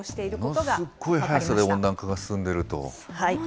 ものすごいはやさで温暖化が進んでいると。